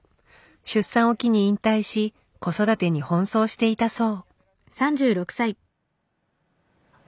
出産を機に引退し子育てに奔走していたそう。